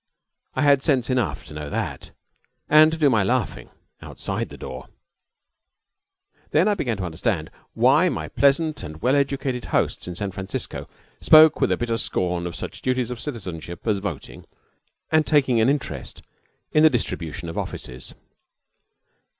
I had sense enough to know that, and to do my laughing outside the door. Then I began to understand why my pleasant and well educated hosts in San Francisco spoke with a bitter scorn of such duties of citizenship as voting and taking an interest in the distribution of offices.